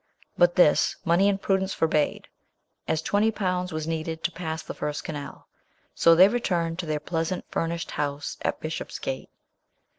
But this, money and prudence forbade, as twenty pounds was needed to pass the first canal ; so they returned to their pleasant furnished house at Bishopsgate.